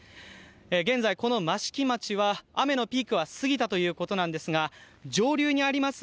現在、この益城町は雨のピークは過ぎたということですが上流にあります